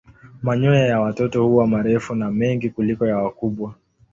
Manyoya ya watoto huwa marefu na mengi kuliko ya wakubwa.